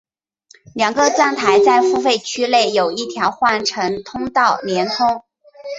两个站台在付费区内有一条换乘通道连通。